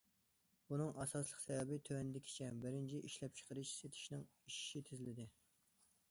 بۇنىڭ ئاساسلىق سەۋەبى تۆۋەندىكىچە: بىرىنچى، ئىشلەپچىقىرىش، سېتىشنىڭ ئېشىشى تېزلىدى.